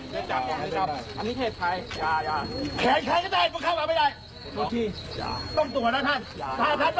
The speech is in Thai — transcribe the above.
แข็งใช้ก็ได้เค้าต้องเอาไปได้